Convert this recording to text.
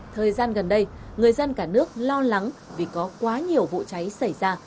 thời gian gần đây người dân cả nước lo lắng vì có quá nhiều vụ cháy xảy ra